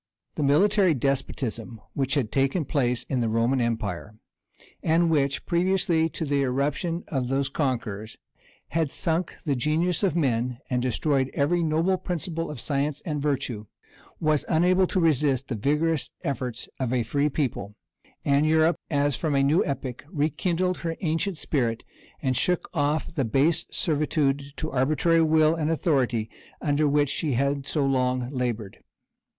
The military despotism which had taken place in the Roman empire, and which, previously to the irruption of those conquerors, had sunk the genius of men, and destroyed every noble principle of science and virtue, was unable to resist the vigorous efforts of a free people; and Europe, as from a new epoch, rekindled her ancient spirit, and shook off the base servitude to arbitrary will and authority under which she had so long labored.